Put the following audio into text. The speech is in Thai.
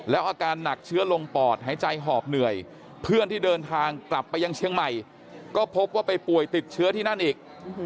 อาการหนักเชื้อลงปอดหายใจหอบเหนื่อยเพื่อนที่เดินทางกลับไปยังเชียงใหม่ก็พบว่าไปป่วยติดเชื้อที่นั่นอีก